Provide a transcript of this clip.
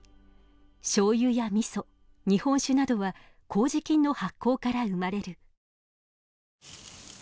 しょうゆやみそ日本酒などは麹菌の発酵から生まれる。